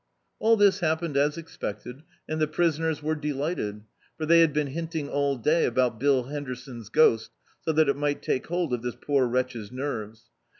All this happened as expected, and the prisoners were delisted, for they had been hinting all day about Bill Henderson's g^ost, so diat it mi^t take hold of this poor wretch's nerves.